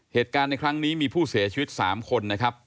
เหตุการณ์ในครั้งนี้มีผู้เสียชีวิต๓คนนะครับ